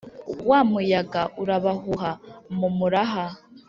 Wa muyaga urabahuha mu muraha*.